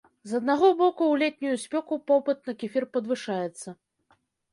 З аднаго боку, у летнюю спёку попыт на кефір падвышаецца.